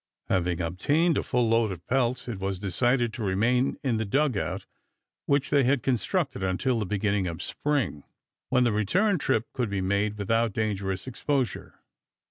Having obtained a full load of pelts it was decided to remain in the dug out which they had constructed until the beginning of spring, when the return trip could be made without dangerous exposure.